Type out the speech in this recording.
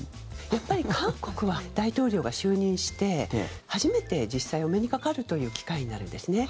やっぱり韓国は大統領が就任して初めて実際、お目にかかるという機会になるんですね。